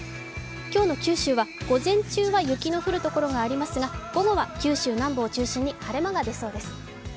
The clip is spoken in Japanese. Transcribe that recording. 今日の九州は午前中は雪の降る所がありますが午後は九州南部を中心に晴れ間が出そうです。